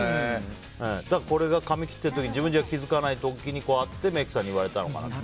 髪切ってる時に、自分じゃ気づかないところにあってメイクさんに言われたのかなと。